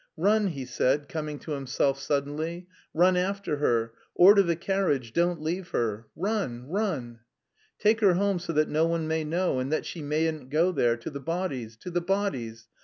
"Run," he said, coming to himself suddenly, "run after her, order the carriage, don't leave her.... Run, run! Take her home so that no one may know... and that she mayn't go there... to the bodies... to the bodies....